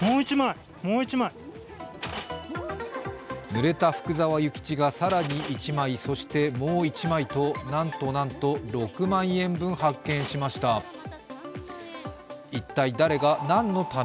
ぬれた福沢諭吉が更に１枚、そしてもう一枚と、なんとなんと６万円分発見しました。